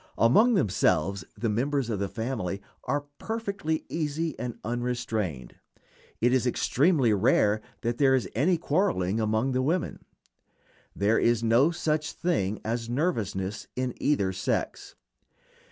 Among themselves the members of the family are perfectly easy and unrestrained. It is extremely rare that there is any quarreling among the women. There is no such thing as nervousness in either sex.